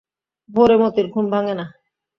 ভোরে মতির ঘুম ভাঙে না।